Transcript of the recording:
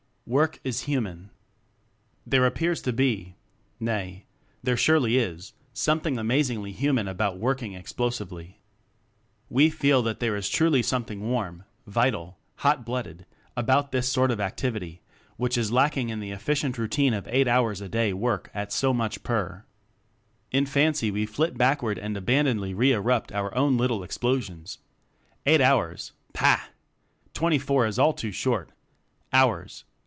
... Work Is Human. There appears to be, nay, there surely is, something amazingly hu manly human about working explo sively. We feel that there is truly something warm, vital, hot blooded, about this sort of activity which is lacking in the efficient routine of eight hours a day work at so much per. In fancy we flit backward and aban donedly re erupt our own little ex plosions. ... Eight hours! Pah! Twenty four is all too short! Hours!